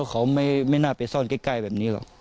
เขาไม่น่าไปซ่อนใกล้แบบนี้หรอก